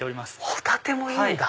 ホタテもいいんだ！